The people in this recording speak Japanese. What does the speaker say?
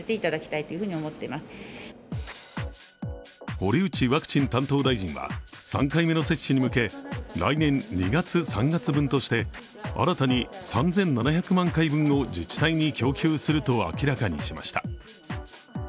堀内ワクチン担当大臣は３回目の接種に向け来年２月、３月分として新たに３７００万回分を自治体に供給すると明らかにしました。